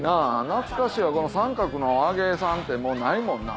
懐かしいわこの三角のあげさんってもうないもんな。